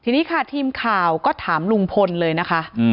ทีนี้ค่ะทีมข่าวก็ถามลุงพลเลยนะคะ